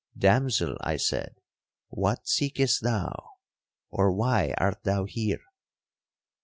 'Damsel,' I said, 'what seekest thou?—or why art thou here?'